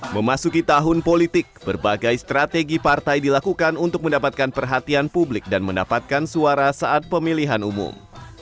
memasuki tahun politik berbagai strategi partai dilakukan untuk mendapatkan perhatian publik dan mendapatkan suara saat pemilihan umum